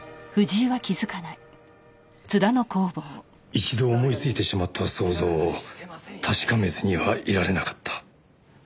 一度思いついてしまった想像を確かめずにはいられなかった。